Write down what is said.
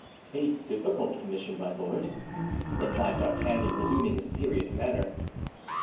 "A difficult commission, my lord," replied D'Artagnan, resuming his serious manner.